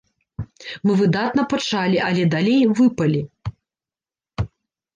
Мы выдатна пачалі, але далей выпалі.